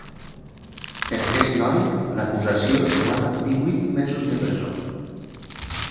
Per aquest noi, l’acusació demana divuit mesos de presó.